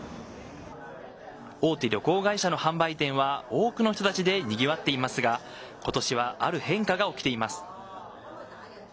大手旅行会社の販売店は多くの人たちでにぎわっていますが今年は、ある変化が起きています。